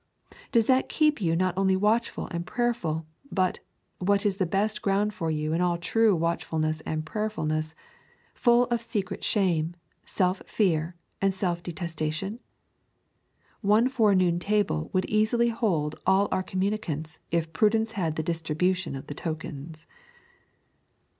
Does that keep you not only watchful and prayerful, but, what is the best ground in you of all true watchfulness and prayerfulness, full of secret shame, self fear, and self detestation? One forenoon table would easily hold all our communicants if Prudence had the distribution of the tokens.